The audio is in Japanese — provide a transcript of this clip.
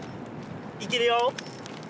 いけるよ。